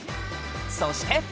そして。